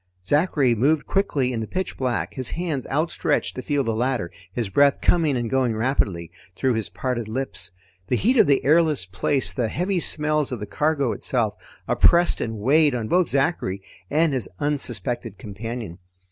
Zachary moved quickly in the pitch black, his hands outstretched to feel the ladder, his breath coming and going rapidly through his parted lips. The heat of the airless place, the heavy smells of the cargo itself, oppressed and weighed on both Zachary and his unsuspected companion.